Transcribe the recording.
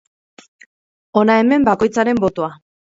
Hona hemen bakoitzaren botoa.